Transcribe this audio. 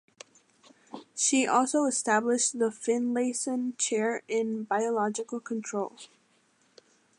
She also established the Finlayson Chair in Biological Control.